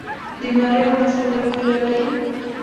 د ناری ولسوالۍ پوله لري